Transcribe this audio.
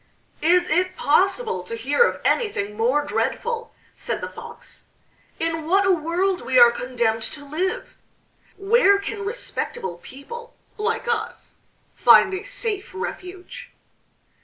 "Is it possible to hear of anything more dreadful?" said the Fox. "In what a world we are condemned to live! Where can respectable people like us find a safe refuge?"